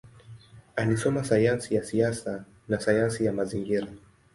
Alisoma sayansi ya siasa na sayansi ya mazingira.